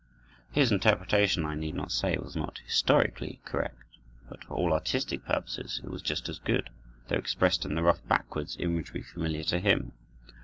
His interpretation, I need not say, was not historically correct, but for all artistic purposes it was just as good, though expressed in the rough backwoods imagery familiar to him.